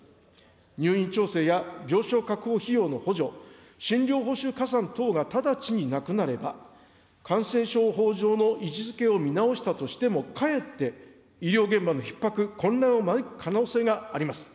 入院調整や病床確保費用の補助、診療報酬加算等が直ちになくなれば、感染症法上の位置づけを見直したとしても、かえって医療現場のひっ迫、混乱を招く可能性があります。